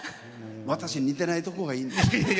私に似てないとこがいいんです。